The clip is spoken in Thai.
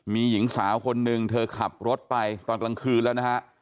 มีหญิงสาวคนหนึ่งเธอขับรถไปตอนกลางคืนแล้วนะฮะ